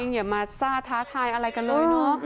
อย่ามาซ่าท้าทายอะไรกันเลยเนอะ